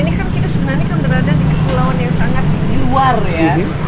dan ini kan kita sebenarnya kan berada di kepulauan yang sangat di luar ya